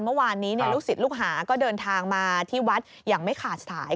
เมื่อวานนี้ลูกศิษย์ลูกหาก็เดินทางมาที่วัดอย่างไม่ขาดสาย